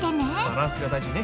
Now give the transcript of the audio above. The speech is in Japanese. バランスが大事ね。